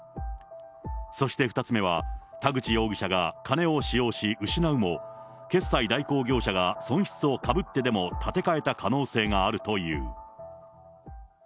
そして２つ目は、田口容疑者が金を使用し失うも、決済代行会社が損失を被ってでも立て替えた可能性があるという。